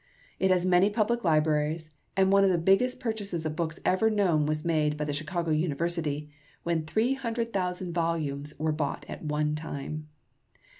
It has many public libraries, and one of the biggest purchases of books ever known was made by the Chicago University, when three hundred thousand volumes were bought at one time.